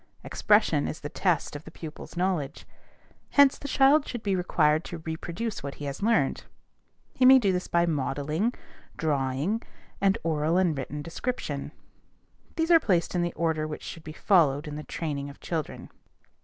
"Expression is the test of the pupil's knowledge." Hence, the child should be required to reproduce what he has learned. He may do this by modeling, drawing, and oral and written description. These are placed in the order which should be followed in the training of children.